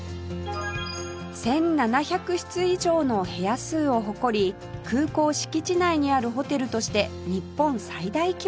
１７００室以上の部屋数を誇り空港敷地内にあるホテルとして日本最大規模のこちら